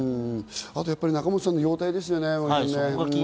あと仲本さんの容体ですよね。